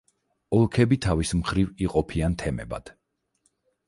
ოლქები, თავის მხრივ, იყოფიან თემებად.